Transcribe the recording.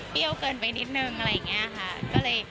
เปรี้ยวเกินไปนิดหนึ่งอะไรอย่างนี้ค่ะ